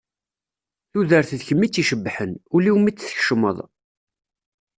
Tudert d kemm i tt-icebbḥen, ul-iw mi t-tkecmeḍ.